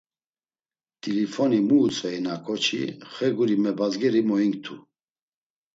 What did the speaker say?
T̆ilifoni mu utzveyna ǩoçi, xe guri mebazgeri moinktu.